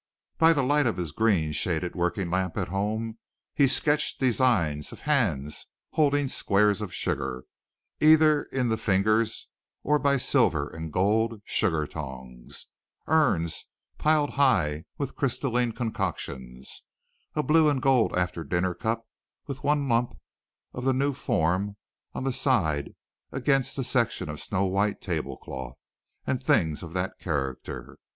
By the light of his green shaded working lamp at home he sketched designs of hands holding squares of sugar, either in the fingers or by silver and gold sugar tongs, urns piled high with crystalline concoctions, a blue and gold after dinner cup with one lump of the new form on the side against a section of snow white table cloth, and things of that character.